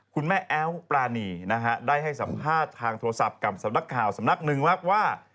คุณแม่แอ๊วปรานีได้ให้สัมภาษณ์ทางโทรศัพท์กับสำนักหนึ่งบั๊บว่า